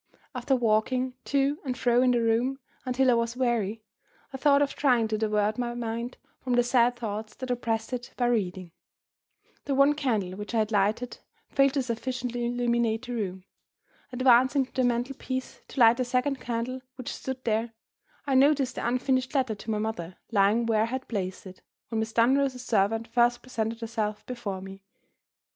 After walking to and fro in the room until I was weary, I thought of trying to divert my mind from the sad thoughts that oppressed it by reading. The one candle which I had lighted failed to sufficiently illuminate the room. Advancing to the mantel piece to light the second candle which stood there, I noticed the unfinished letter to my mother lying where I had placed it, when Miss Dunross's servant first presented herself before me.